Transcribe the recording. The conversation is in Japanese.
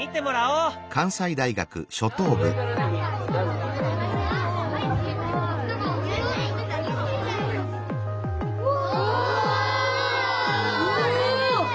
うわ！